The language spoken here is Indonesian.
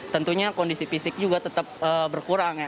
tentunya kondisi fisik juga tetap berkurang ya